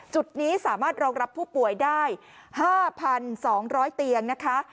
จุดนี้สามารถรองรับผู้ป่วยได้๕๒๐๐เตียงนะคะ